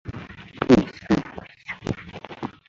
未上映未上映